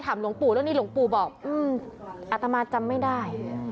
หลวงปู่บอกอาตมาจำไม่ได้